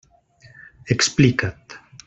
Explica't.